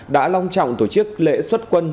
đã long trọng tổ chức lễ xuất quân